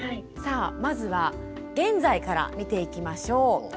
さあまずは現在から見ていきましょう。